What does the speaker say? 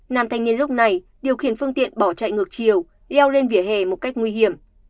nam thanh niên lúc này điều khiển phương tiện bỏ chạy ngược chiều leo lên vỉa hè một cách nguy hiểm